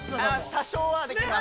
◆多少はできます。